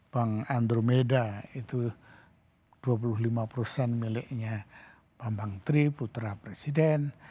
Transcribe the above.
bank andromeda itu dua puluh lima miliknya pembantri putera presiden